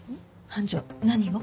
班長何を？